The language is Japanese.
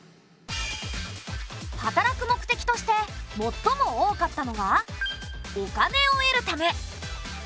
働く目的としてもっとも多かったのがお金を得るため。